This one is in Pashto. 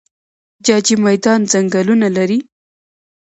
جاجي میدان ځنګلونه لري؟